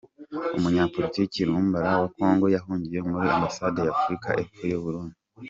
Umunyapolitiki Lumbala wa kongo yahungiye muri Ambasade y’Afurika y’Epfo mu Burundi